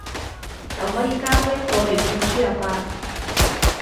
就可以加多一個粵拼輸入法